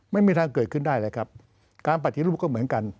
ไม่มีทางเกิดขึ้นได้เลยครับการปฏิรูปก็เหมือนกัน